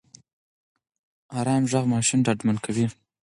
ارام غږ ماشوم ډاډمن کوي.